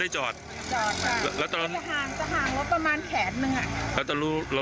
จอดค่ะ